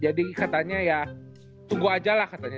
jadi katanya ya tunggu aja lah katanya